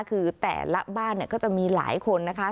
คือแต่ละบ้านก็จะมีหลายคนนะคะ